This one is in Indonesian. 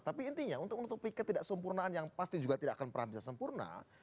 tapi intinya untuk menutupi ketidaksempurnaan yang pasti juga tidak akan pernah bisa sempurna